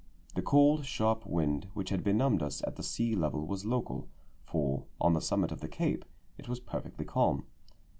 The cold, sharp wind which had benumbed us at the sea level was local, for, on the summit of the cape, it was perfectly calm.